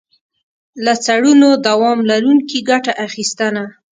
له څړونو دوام لرونکي ګټه اخیستنه.